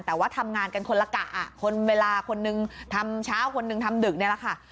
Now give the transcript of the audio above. แต่ว่าทำงานกันคนละกะคนเวลาคนนึงทำเช้าคนหนึ่งทำดึกนี่แหละค่ะ